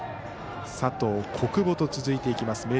佐藤、小久保と続いていきます。